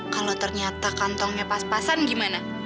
kalau ternyata kantongnya pas pasan gimana